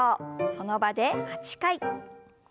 その場で８回。